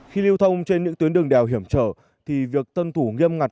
khi lưu thông trên những tuyến đường đèo hiểm trở thì việc tân thủ nghiêm ngặt